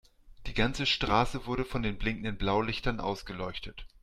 Die ganze Straße wurde von den blinkenden Blaulichtern ausgeleuchtet.